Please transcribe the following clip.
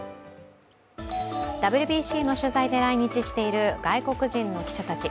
ＷＢＣの取材で来日している外国人の記者たち。